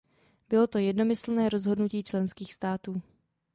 Bylo to jednomyslné rozhodnutí členských států.